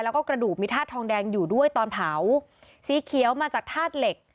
แล้วก็กระดูกมีธาตุทองแดงอยู่ด้วยตอนเผาสีเขียวมาจากธาตุเหล็ก